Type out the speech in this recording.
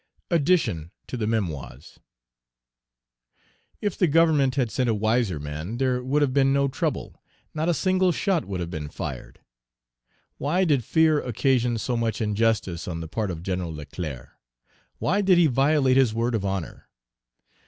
ADDITION TO THE MEMOIRS. If the Government had sent a wiser man, there would have been no trouble; not a single shot would have been fired. Why did fear occasion so much injustice on the part of Gen. Leclerc? Why did he violate his word of honor?